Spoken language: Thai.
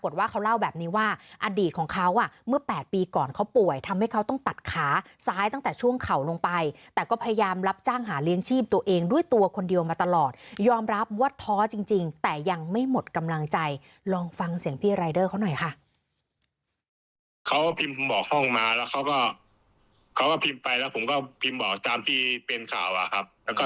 แต่ก็พยายามรับจ้างหาเลี้ยงชีพตัวเองด้วยตัวคนเดียวมาตลอดยอมรับวัดท้อจริงแต่ยังไม่หมดกำลังใจลองฟังเสียงพี่รายเดอร์เขาหน่อยค่ะ